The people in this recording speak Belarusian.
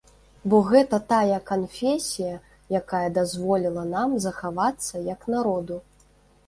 Бо гэта тая канфесія, якая дазволіла нам захавацца, як народу.